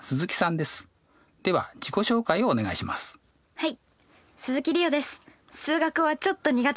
はい。